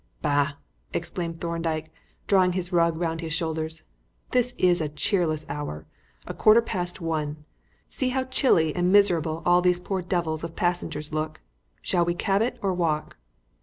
"Bah!" exclaimed Thorndyke, drawing his rug round his shoulders; "this is a cheerless hour a quarter past one. See how chilly and miserable all these poor devils of passengers look. Shall we cab it or walk?"